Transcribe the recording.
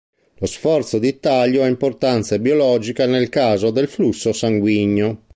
Lo sforzo di taglio ha importanza biologica nel caso del flusso sanguigno.